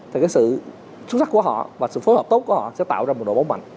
thì cái sự xuất sắc của họ và sự phối hợp tốt của họ sẽ tạo ra một đội bóng mạnh